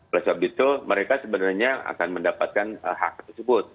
oleh sebab itu mereka sebenarnya akan mendapatkan hak tersebut